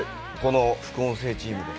副音声チームで。